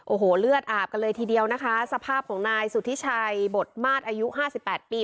โอ้โหเลือดอาบกันเลยทีเดียวนะคะสภาพของนายสุธิชัยบทมาตรอายุห้าสิบแปดปี